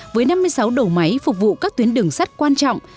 với năm mươi sáu đầu máy phục vụ các tuyến đường sắt quan trọng